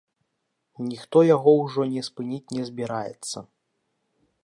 Ніхто яго ўжо не спыніць не збіраецца.